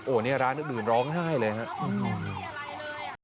อันนี้ร้านอื่นร้องไห้เลยครับ